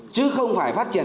chứ không phải phát triển